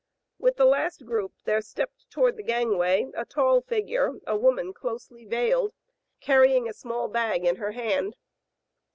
With the last group there stepped toward the gangway a tall figure, a woman closely veiled, carrying a small bag in her hand.